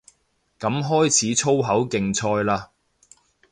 噉開始粗口競賽嘞